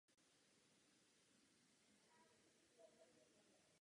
Režisérem filmu je Tim Burton.